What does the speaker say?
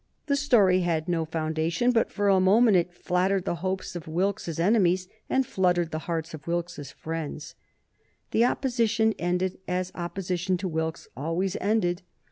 The story had no foundation, but for a moment it flattered the hopes of Wilkes's enemies and fluttered the hearts of Wilkes's friends. The opposition ended as opposition to Wilkes always ended.